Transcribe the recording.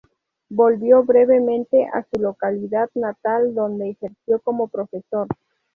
Volvió brevemente a su localidad natal, donde ejerció como profesor.